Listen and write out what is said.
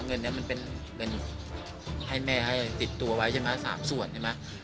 เงินนี้มันเป็นเงินให้แม่ให้ติดตัวไว้ใช่ไหม๓ส่วนใช่ไหม